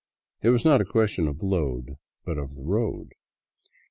It was not a question of load, but of road.